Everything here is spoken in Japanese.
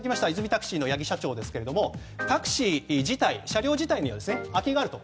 タクシーの八木社長ですがタクシー自体、車両自体には空きがあると。